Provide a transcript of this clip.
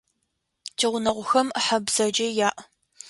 Тигъунэгъухэм хьэ бзэджэ яӏ.